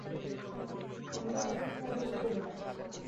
আমরা তাঁকে খাওয়াব কী করে?